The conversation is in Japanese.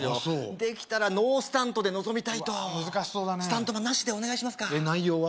できたらノースタントで臨みたいとうわ難しそうだねスタントマンなしでお願いしますか内容は？